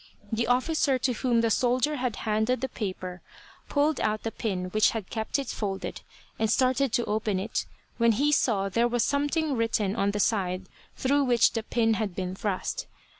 The officer to whom the soldier had handed the paper pulled out the pin which had kept it folded, and started to open it, when he saw there was something written on the side through which the pin had been thrust.